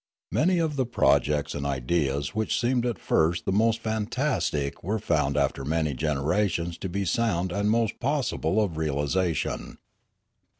Many of the projects and ideas which seemed at first the most fantastic were found after many generations to be sound and most possible of realisation.